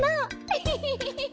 エヘヘヘヘヘ。